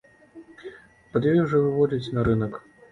І пад ёй ужо выводзіць на рынак.